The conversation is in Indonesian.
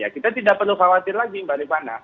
kita tidak perlu khawatir lagi bagaimana